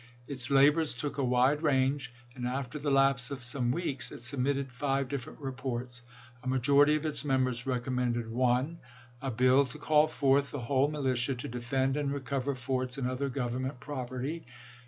Its labors took a wide range, and after the lapse of some weeks it submitted five different reports. A majority of its members recommended: 1. A bill to call forth the whole militia to defend and recover forts and other Gov ernment property.